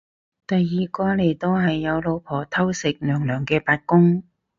第二個嚟到係有老婆偷食娘娘嘅八公